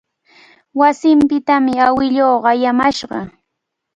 Wasinpitami awiluu qayamashqa.